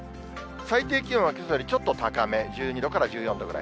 最低気温はけさよりちょっと高め、１２度から１４度ぐらい。